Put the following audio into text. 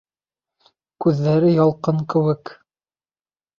Күҙҙәре ялҡын кеүек.